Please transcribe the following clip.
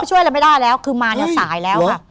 ช่วยอะไรไม่ได้แล้วคือมาเนี่ยสายแล้วค่ะ